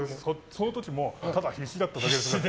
その時もただ必死だっただけです。